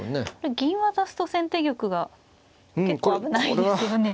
銀渡すと先手玉が結構危ないですよね。